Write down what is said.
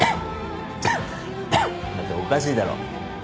だっておかしいだろ。